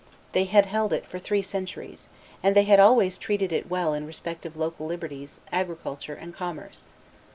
They had held it for three centuries; and they had always treated it well in respect of local liberties, agriculture, and commerce.